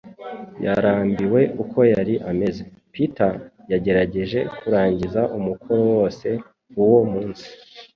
Yarambiwe uko yari ameze, Peter yagerageje kurangiza umukoro wose uwo munsi